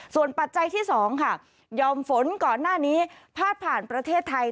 ส่วนปัจจัยที่๒ค่ะยอมฝนก่อนหน้านี้พาดผ่านประเทศไทย